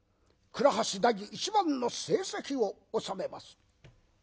倉橋第１番の成績を収めます。